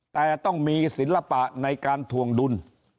แต่ต้องมีศิลปะในการถวงดุล